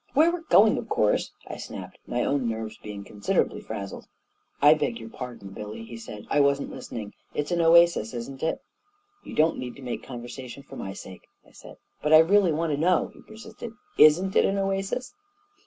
"Where we're going, of course!" I snapped, my own nerves being considerably frazzled. " I beg your pardon, Billy," he said. " I wasn't listening. It's an oasis, isn't it? " i 3 8 A KING IN BABYLON " You don't need to make conversation for my sake," I said. " But I really want to know," he persisted. "Isn't it an oasis?"